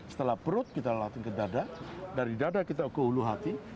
setelah perut kita latih ke dada dari dada kita ke ulu hati